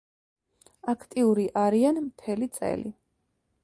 აქტიური არიან მთელი წელი.